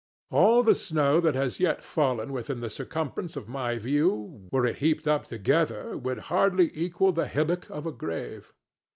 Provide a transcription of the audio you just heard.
All the snow that has yet fallen within the circumference of my view, were it heaped up together, would hardly equal the hillock of a grave.